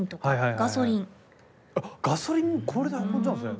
ガソリンこれで運んじゃうんですね。